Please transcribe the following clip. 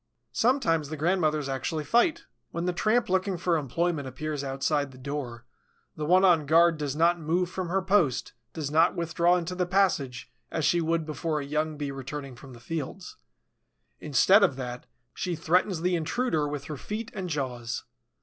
Sometimes the grandmothers actually fight. When the tramp looking for employment appears outside the door, the one on guard does not move from her post, does not withdraw into the passage, as she would before a young Bee returning from the fields. Instead of that, she threatens the intruder with her feet and jaws.